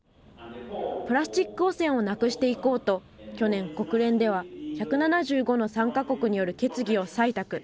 プラスチック汚染をなくしていこうと、去年、国連では１７５の参加国による決議を採択。